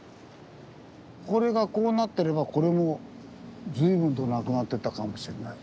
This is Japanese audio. これがこうなってればこれも随分となくなってったかもしれない。